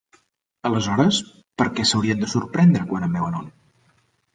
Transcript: Aleshores, per què s'haurien de sorprendre quan en veuen un?